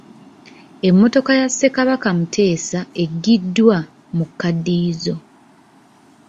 Emmotoka ya Ssekabaka Muteesa eggyiddwa mu kaddiyizo.